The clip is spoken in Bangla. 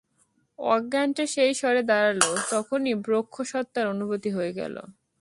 অজ্ঞানটা যেই সরে দাঁড়াল, তখনি ব্রহ্ম-সত্তার অনুভূতি হয়ে গেল।